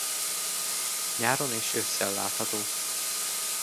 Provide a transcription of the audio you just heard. Nyáron és ősszel látható.